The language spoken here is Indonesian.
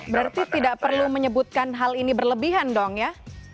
berarti tidak perlu menyebutkan hal ini berlebihan dong ya